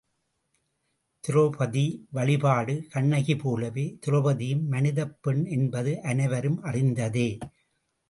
திரெளபதி வழிபாடு கண்ணகி போலவே திரெளபதியும் மனிதப் பெண் என்பது அனைவரும் அறிந்ததே.